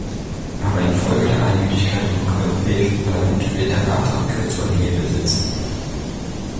Aber infolge der Einmütigkeit im Europäischen Parlament wird der Rat am kürzeren Hebel sitzen.